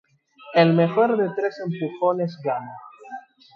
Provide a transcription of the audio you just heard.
El mejor de tres empujones gana.